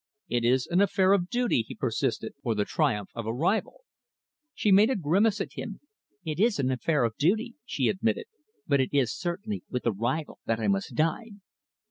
"It is an affair of duty," he persisted, "or the triumph of a rival?" She made a grimace at him. "It is an affair of duty," she admitted, "but it is certainly with a rival that I must dine."